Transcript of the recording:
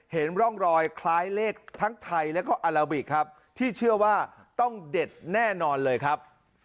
เห็นร่องรอยคล้ายเลขทั้งไทยแล้วก็อาราบิกครับที่เชื่อว่าต้องเด็ดแน่นอนเลยครับ